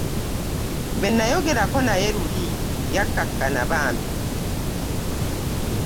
Bwe nayogerako naye luli yakkakkana bambi.